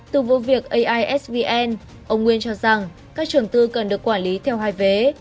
từ vụ việc aisvn ông nguyên cho rằng các trường tư cần được quản lý theo hai vé